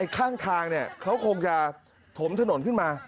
ข้างทางเขาคงจะถมถนนขึ้นมา